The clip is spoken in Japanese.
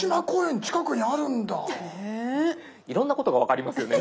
いろんなことが分かりますよね